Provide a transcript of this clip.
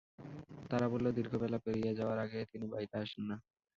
তারা বলল, দীর্ঘ বেলা পেরিয়ে যাওয়ার আগে তিনি বাইরে আসেন না।